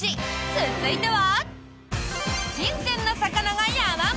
続いては。